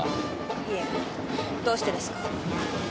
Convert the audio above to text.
いいえどうしてですか？